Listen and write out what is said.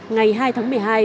ngày hai tháng một mươi hai